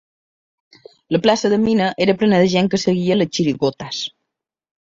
La plaça de Mina era plena de gent que seguia les chirigotas.